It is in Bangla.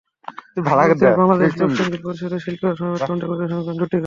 শুরুতেই বাংলাদেশ লোকসংগীত পরিষদের শিল্পীরা সমবেত কণ্ঠে পরিবেশন করেন দুটি গান।